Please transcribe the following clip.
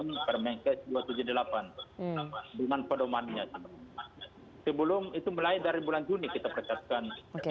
mari kita persiapkan